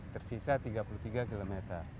tersisa tiga puluh tiga km